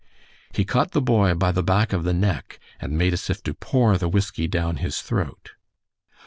He caught the boy by the back of the neck, and made as if to pour the whiskey down his throat.